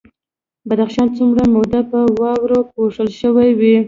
بدخشان څومره موده په واورو پوښل شوی وي؟